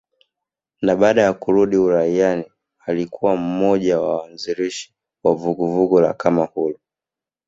Na baada ya kurudi uraiani alikuwa mmoja wa waanzilishi wa vuguvugu la kamahuru